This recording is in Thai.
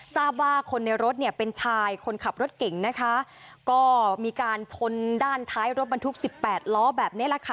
ทราบว่าคนในรถเป็นชายคนขับรถเก่งก็มีการทนด้านท้ายรถบรรทุก๑๘ล้อแบบนี้แหละค่ะ